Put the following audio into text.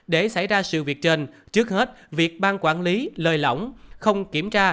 để xảy ra sự việc trên trước hết việc bang quản lý lời lỏng không kiểm tra